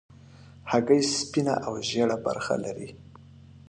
هګۍ سپینه او ژېړه برخه لري.